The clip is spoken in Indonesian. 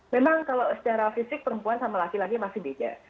memang kalau secara fisik perempuan sama laki laki masih beda